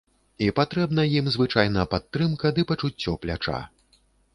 І патрэбна ім звычайна падтрымка ды пачуццё пляча.